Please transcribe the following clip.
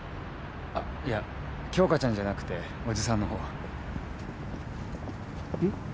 あっいや杏花ちゃんじゃなくておじさんのほううん？